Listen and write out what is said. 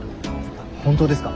本当ですか？